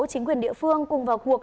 chính quyền địa phương cùng vào cuộc